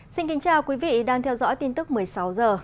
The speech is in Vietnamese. xin kính chào quý vị đang theo dõi tin tức một mươi sáu h